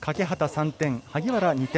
３点萩原２点。